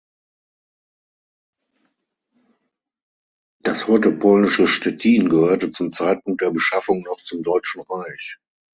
Das heute polnische Stettin gehörte zum Zeitpunkt der Beschaffung noch zum Deutschen Reich.